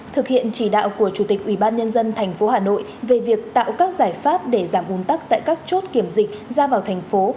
thực hiện chỉ đạo của chủ tịch ubnd tp hà nội về việc tạo các giải pháp để giảm uốn tắc tại các chốt kiểm dịch ra vào thành phố